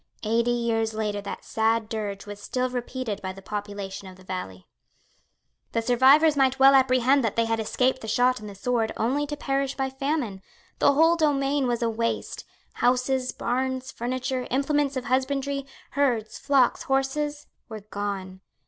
Eighty years later that sad dirge was still repeated by the population of the valley. The survivors might well apprehend that they had escaped the shot and the sword only to perish by famine. The whole domain was a waste. Houses, barns, furniture, implements of husbandry, herds, flocks, horses, were gone.